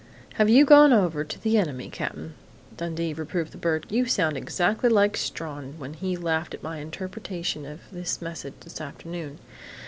"Have you gone over to the enemy, Cap'n?" Dundee reproved the bird. "You sound exactly like Strawn when he laughed at my interpretation of this message this afternoon.